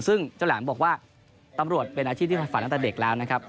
ซึ่งเจ้าแหลมบอกว่าตำรวจเป็นอาชีพที่ทำฝันตั้งแต่เด็กแล้วนะครับ